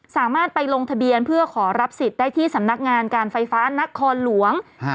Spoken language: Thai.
สามารถไปลงทะเบียนเพื่อขอรับสิทธิ์ได้ที่สำนักงานการไฟฟ้านครหลวง